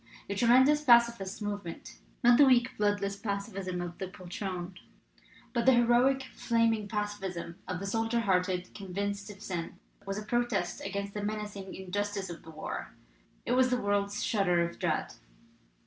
The tre mendous pacifist movement not the weak, blood J 9 289 LITERATURE IN THE MAKING less pacifism of the poltroon, but the heroic, flaming pacifism of the soldier hearted convinced of sin was a protest against the menacing injustice of the war; it was the world's shudder of dread.